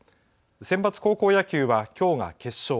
センバツ高校野球はきょうが決勝。